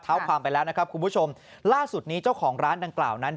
ความไปแล้วนะครับคุณผู้ชมล่าสุดนี้เจ้าของร้านดังกล่าวนั้น